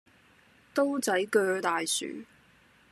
刀仔据大樹